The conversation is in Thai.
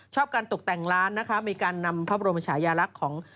การตกแต่งร้านนะคะมีการนำพระบรมชายาลักษณ์ของ